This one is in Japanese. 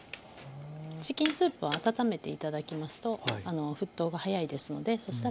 チキンスープは温めて頂きますと沸騰が早いですのでそ